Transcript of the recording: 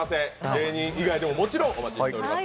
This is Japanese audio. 芸人以外でももちろんお待ちしています。